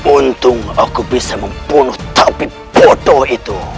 untung aku bisa membunuh tapi foto itu